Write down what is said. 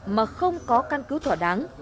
mà không có căn cứ thỏa đáng